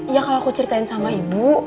ya kalau aku ceritain sama ibu